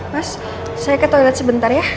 mas saya ke toilet sebentar ya